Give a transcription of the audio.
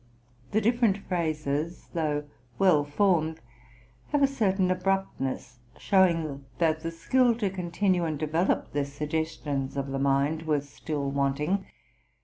The different phrases, though well formed, have a certain abruptness, showing that the skill to continue and develop the suggestions of the mind was still wanting.